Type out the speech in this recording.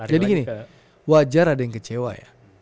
jadi gini wajar ada yang kecewa ya